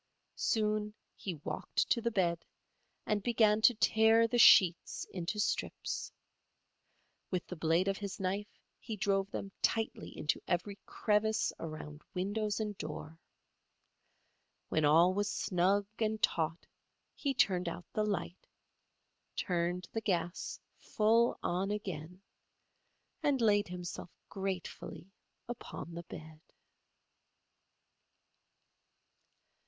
Soon he walked to the bed and began to tear the sheets into strips. With the blade of his knife he drove them tightly into every crevice around windows and door. When all was snug and taut he turned out the light, turned the gas full on again and laid himself gratefully upon the bed.